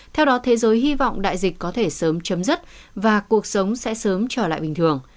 theo đó thế giới hy vọng đại dịch có thể sớm chấm dứt và cuộc sống sẽ sớm trở lại bình thường